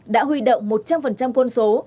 đã huy động một trăm linh con số